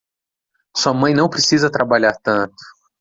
Sua mãe não precisa trabalhar tanto.